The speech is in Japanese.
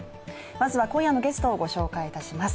まずは今夜のゲストをご紹介します。